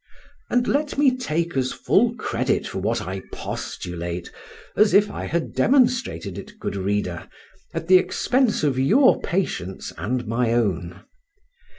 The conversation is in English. And let me take as full credit for what I postulate as if I had demonstrated it, good reader, at the expense of your patience and my own.